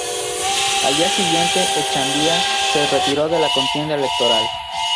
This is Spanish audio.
Al día siguiente Echandía se retiró de la contienda electoral.